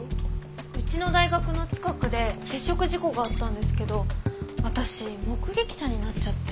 うちの大学の近くで接触事故があったんですけど私目撃者になっちゃって。